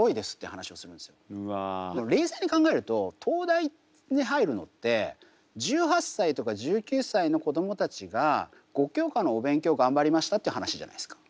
冷静に考えると東大に入るのって１８歳とか１９歳の子どもたちが５教科のお勉強頑張りましたって話じゃないですか。